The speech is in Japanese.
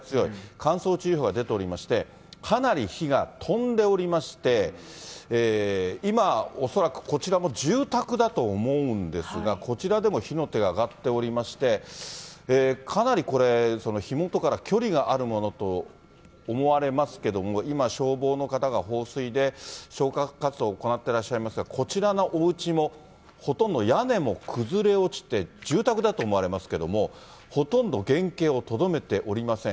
乾燥注意報が出ておりまして、かなり火が飛んでおりまして、今、恐らく、こちらも住宅だと思うんですが、こちらでも火の手が上がっておりまして、かなり、これ、その火元から距離があるものと思われますけども、今、消防の方が放水で消火活動を行ってらっしゃいますが、こちらのおうちも、ほとんど屋根も崩れ落ちて、住宅だと思われますけれども、ほとんど原形をとどめておりません。